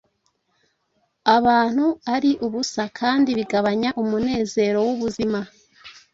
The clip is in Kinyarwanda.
abantu ari ubusa kandi bigabanya umunezero wubuzima